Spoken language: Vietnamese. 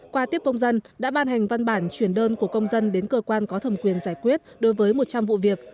qua tiếp công dân đã ban hành văn bản chuyển đơn của công dân đến cơ quan có thẩm quyền giải quyết đối với một trăm linh vụ việc